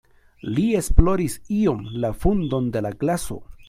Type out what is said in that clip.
Li esploris iom la fundon de la glaso.